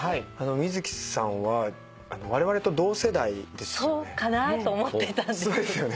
観月さんはわれわれと同世代ですよね？